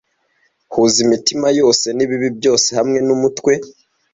huza imitima yose nibibi byose hamwe numutwe